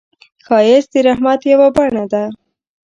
ښایست د رحمت یو بڼه ده